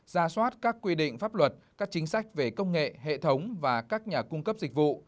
ra soát các quy định pháp luật các chính sách về công nghệ hệ thống và các nhà cung cấp dịch vụ